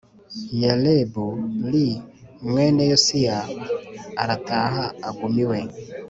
Yerub li mwene Yowasi arataha aguma iwe